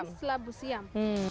tumis labu siam